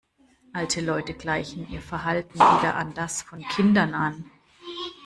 Alte Leute gleichen ihr Verhalten wieder an das von Kindern an.